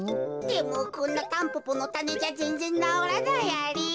でもこんなタンポポのたねじゃぜんぜんなおらないアリ。